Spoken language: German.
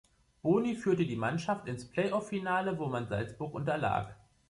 Boni führte die Mannschaft ins Playoff-Finale, wo man Salzburg unterlag.